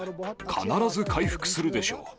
必ず回復するでしょう。